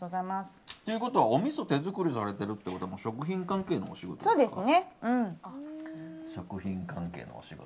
おみそを手作りされているってことは食品関係のお仕事ですか。